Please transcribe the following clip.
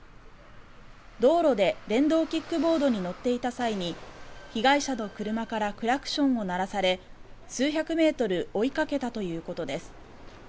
道路で電動キックボードに乗っていた際に被害者の車からクラクションを鳴らされ数百メートル追いかけたということです。